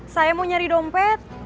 saya mau nyari dompet